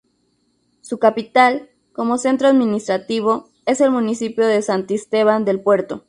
Su capital, como centro administrativo, es el municipio de Santisteban del Puerto.